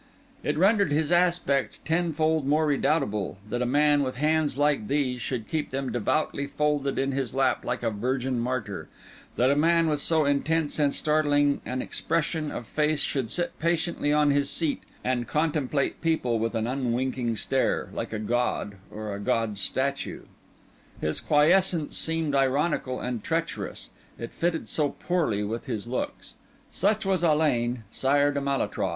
It rendered his aspect tenfold more redoubtable, that a man with hands like these should keep them devoutly folded in his lap like a virgin martyr—that a man with so intense and startling an expression of face should sit patiently on his seat and contemplate people with an unwinking stare, like a god, or a god's statue. His quiescence seemed ironical and treacherous, it fitted so poorly with his looks. Such was Alain, Sire de Malétroit.